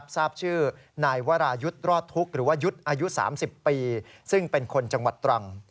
ทราบชื่อนายวรายุทธ์รอดทุกข์หรือว่ายุทธ์อายุ๓๐ปีซึ่งเป็นคนจังหวัดตรัง